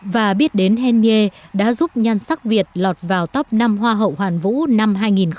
và biết đến hèn nhê đã giúp nhan sắc việt lọt vào tóc năm hoa hậu hoàn vũ năm hai nghìn một mươi tám